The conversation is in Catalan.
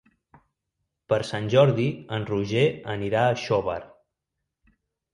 Per Sant Jordi en Roger anirà a Xóvar.